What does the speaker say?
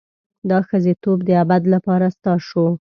دا ښځتوب د ابد لپاره ستا شو.